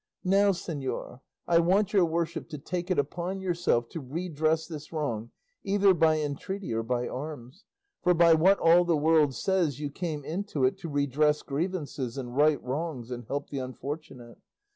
Now, señor, I want your worship to take it upon yourself to redress this wrong either by entreaty or by arms; for by what all the world says you came into it to redress grievances and right wrongs and help the unfortunate.